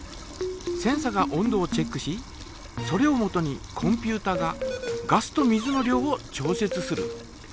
センサが温度をチェックしそれをもとにコンピュータがガスと水の量を調節する。